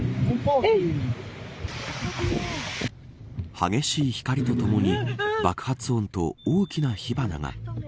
激しい光とともに爆発音と大きな火花が。